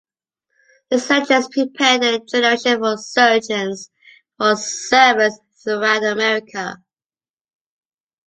His lectures prepared a generation of surgeons for service throughout America.